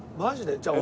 じゃあ俺